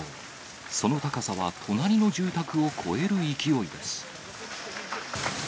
その高さは隣の住宅を越える勢いです。